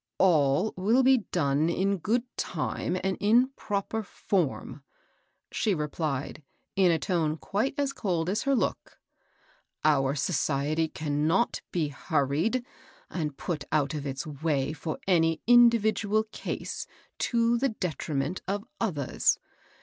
" All will be done in good time and in proper form," she replied, in a tone quite as cold as her look. " Our society cannot be hurried or put out of its way for any individual case to the detriment of others.